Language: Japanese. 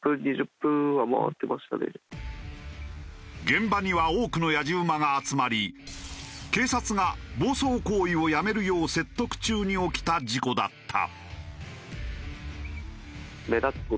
現場には多くの野次馬が集まり警察が暴走行為をやめるよう説得中に起きた事故だった。